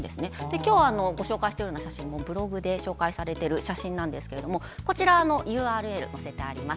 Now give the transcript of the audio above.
今日ご紹介している写真もブログで紹介されている写真なんですがこちら、ＵＲＬ載せてあります。